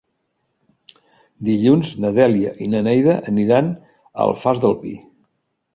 Dilluns na Dèlia i na Neida aniran a l'Alfàs del Pi.